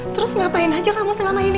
terus ngapain aja kamu selama ini